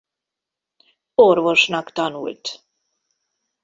Orvosnak tanult.